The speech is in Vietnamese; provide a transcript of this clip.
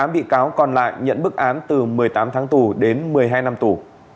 tám bị cáo còn lại nhận bức án từ một mươi tám tháng tù đến một mươi hai năm tù